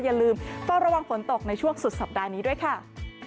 อย่าลืมเฝ้าระวังฝนตกในช่วงสุดสัปดาห์นี้ด้วยค่ะ